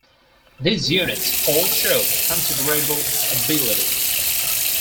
These units all showed considerable ability.